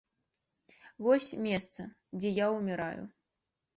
Вось месца, дзе я ўміраю.